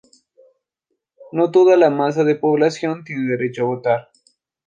No toda la masa de población tiene derecho a votar.